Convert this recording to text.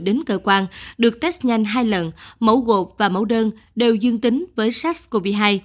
đến cơ quan được test nhanh hai lần mẫu gột và mẫu đơn đều dương tính với sars cov hai